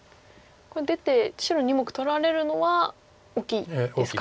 出て白２目取られるのは大きいですか。